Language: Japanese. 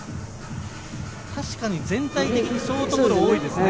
確かに全体的にショートゴロが多いですよね。